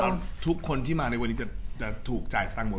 แต่ผมมีคนที่มาในนี้จะถูกจ่ายสตังค์หมด